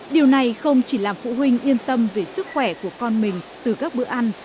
điều này không chỉ làm phụ huynh yên tâm về sức khỏe của con mình từ các bữa ăn